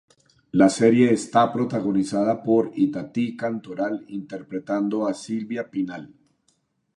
La serie está protagonizada por Itatí Cantoral interpretando a Silvia Pinal.